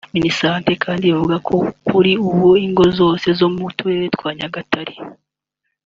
Minisante kandi ivuga ko kuri ubu ingo zose zo mu Turere twa Nyagatare